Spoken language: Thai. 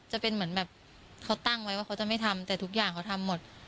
จะเป็นเหมือนแบบเขาตั้งไว้ว่าเขาจะไม่ทำแต่ทุกอย่างเขาทำหมด